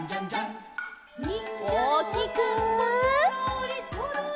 「そろーりそろり」